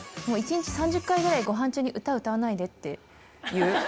もう１日３０回ぐらい、ごはん中に歌歌わないでって言う。